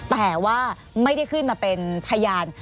แต่ว่าไม่ได้ขึ้นมาเป็นพยาน